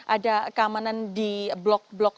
ada keamanan di blok blok